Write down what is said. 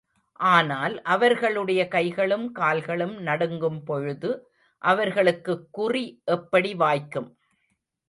ஆனால் அவர்களுடைய கைகளும் கால்களும் நடுங்கும்பொழுது அவர்களுக்குக் குறி எப்படி வாய்க்கும்!